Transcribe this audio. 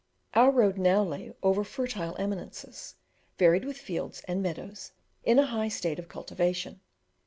Our road now lay over fertile eminences, varied with fields and meadows in a high state of cultivation.